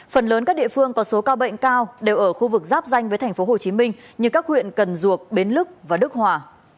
phần lớn các địa phương có số ca bệnh cao đều ở khu vực giáp danh với thành phố hồ chí minh như các huyện cần duộc bến lức và đức hòa